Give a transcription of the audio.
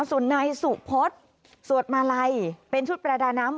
ส่วนนายสุพศสวดมาลัยเป็นชุดประดาน้ำ